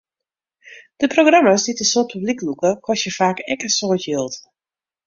De programma's dy't in soad publyk lûke, kostje faak ek in soad jild.